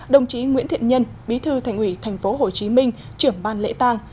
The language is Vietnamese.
đồng chí nguyễn thiện nhân bí thư thành ủy tp hcm trưởng bàn lễ tăng